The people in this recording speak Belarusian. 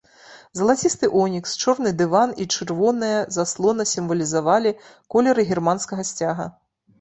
Залацісты онікс, чорны дыван і чырвоная заслона сімвалізавалі колеры германскага сцяга.